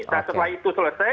nah setelah itu selesai